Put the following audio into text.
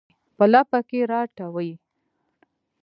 په لپه کې راټوي